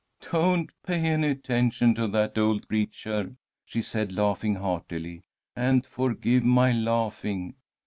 "Don't pay any attention to that old creature," she said, laughing heartily, "and forgive my laughing.